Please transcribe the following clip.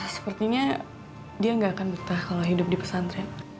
sepertinya dia nggak akan betah kalau hidup di pesantren